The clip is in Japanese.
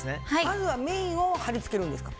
まずはメインを貼り付けるんですか？